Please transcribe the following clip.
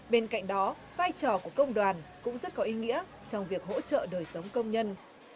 bên cạnh đó vai trò của công đoàn cũng rất có ý nghĩa trong việc hỗ trợ đời sống công nhân